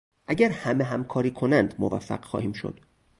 اگر همه همکاری کنند موفق خواهیم شد.